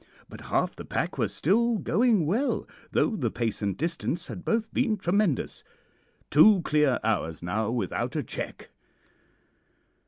But half the pack were still going well, though the pace and distance had both been tremendous two clear hours now without a check.